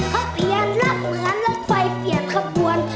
เข้าเพียรและเหมือนรถไฟเปลี่ยนข้าวบวน